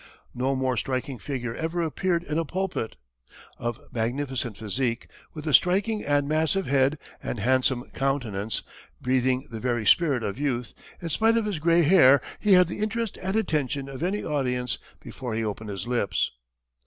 No more striking figure ever appeared in a pulpit. Of magnificent physique, with a striking and massive head and handsome countenance, breathing the very spirit of youth, in spite of his grey hair, he had the interest and attention of any audience before he opened his lips.